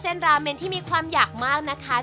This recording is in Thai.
ราเมนที่มีความอยากมากนะคะ